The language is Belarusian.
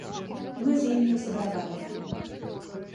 Мы з імі пасябравалі.